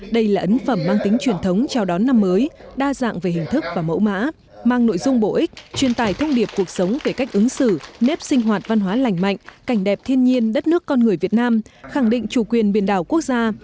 đây là ấn phẩm mang tính truyền thống chào đón năm mới đa dạng về hình thức và mẫu mã mang nội dung bổ ích truyền tải thông điệp cuộc sống về cách ứng xử nếp sinh hoạt văn hóa lành mạnh cảnh đẹp thiên nhiên đất nước con người việt nam khẳng định chủ quyền biển đảo quốc gia